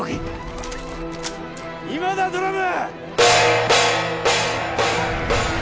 今だドラム！